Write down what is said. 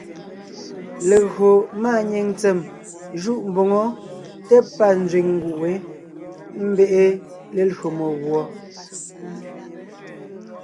Legÿo máanyìŋ ntsèm jûʼ mboŋó té pâ nzẅìŋ nguʼ wé, ḿbe’e lelÿò meguɔ.